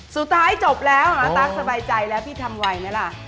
สุดท้ายจบแล้วน้าตั๊กสบายใจแล้วพี่ทำไวไหมล่ะ